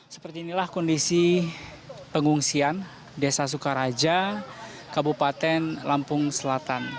seperti inilah kondisi pengungsian desa sukaraja kabupaten lampung selatan